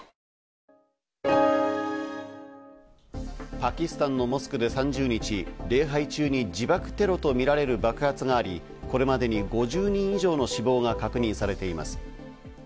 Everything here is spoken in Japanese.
パキスタンのモスクで３０日、礼拝中に自爆テロとみられる爆発があり、これまでに５０人以上の死亡が確認されています。